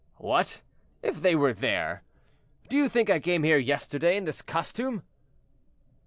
"What! 'if they were there.' Do you think I came here yesterday in this costume?"